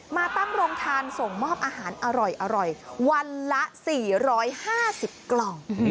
มาตั้งโรงทานส่งมอบอาหารอร่อยวันละ๔๕๐กล่อง